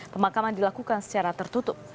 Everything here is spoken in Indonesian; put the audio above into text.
pemakaman dilakukan secara tertutup